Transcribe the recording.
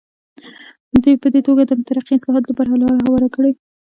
ده په دې توګه د مترقي اصلاحاتو لپاره لاره هواره کړه.